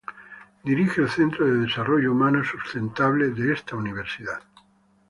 Dirige el Centro de Desarrollo Humano Sustentable de esta Universidad.